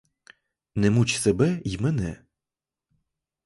Не муч і себе й мене!